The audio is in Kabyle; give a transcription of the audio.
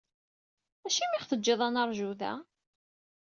Acimi i aɣ-teǧǧiḍ ad neṛju da?